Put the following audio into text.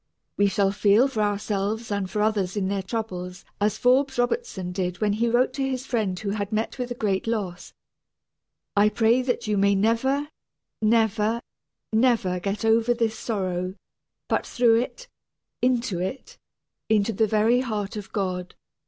We shall feel for ourselves and for others in their troubles as Forbes Robertson did when he wrote to his friend who had met with a great loss: "I pray that you may never, never, never get over this sorrow, but through it, into it, into the very heart of God."